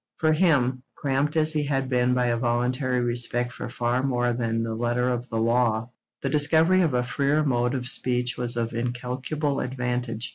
For him, cramped as he had been by a voluntary respect for far more than the letter of the law, the discovery of a freer mode of speech was of incalculable advantage.